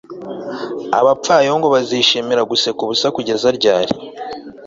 abapfayongo bazishimira guseka ubusa kugeza ryari